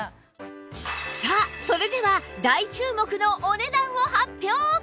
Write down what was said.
さあそれでは大注目のお値段を発表！